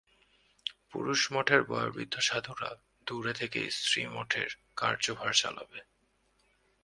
পুরুষ-মঠের বয়োবৃদ্ধ সাধুরা দূরে থেকে স্ত্রী-মঠের কার্যভার চালাবে।